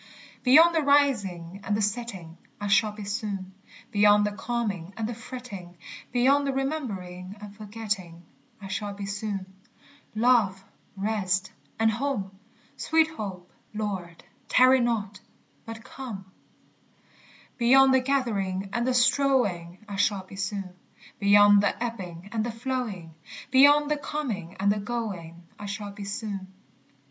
Beyond the rising and the setting I shall be soon; Beyond the calming and the fretting, Beyond remembering and forgetting, I shall be soon. Love, rest, and home! etc. Beyond the gathering and the strowing I shall be soon; Beyond the ebbing and the flowing. Beyond the coming and the going, I shall be soon.